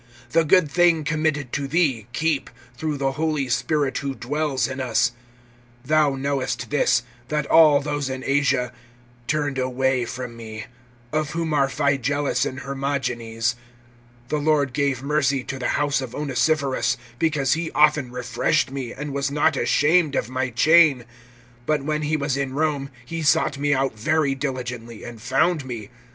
(14)The good thing committed to thee keep, through the Holy Spirit who dwells in us. (15)Thou knowest this, that all those in Asia turned away from me; of whom are Phygellus and Hermogenes. (16)The Lord give mercy to the house of Onesiphorus; because he often refreshed me, and was not ashamed of my chain; (17)but when he was in Rome, he sought me out very diligently, and found me.